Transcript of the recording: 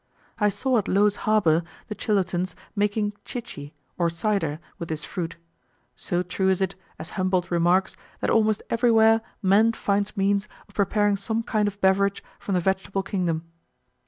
I saw at Low's Harbour the Chilotans making chichi, or cider, with this fruit: so true is it, as Humboldt remarks, that almost everywhere man finds means of preparing some kind of beverage from the vegetable kingdom.